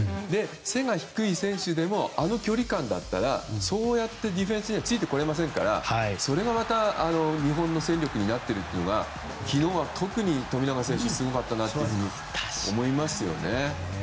背が低い選手でもあの距離感だったらそうやってディフェンスにはついてこれないですからそれがまた日本の戦力になっているというのが昨日特に富永選手すごかったなと思いますよね。